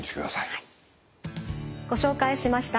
ご紹介しました